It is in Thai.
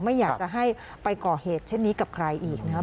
ไม่อยากจะให้ไปก่อเหตุเช่นนี้กับใครอีกนะครับ